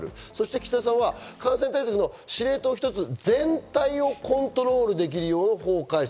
岸田さんは感染対策の司令塔を一つに、全体をコントロールできるよう法改正。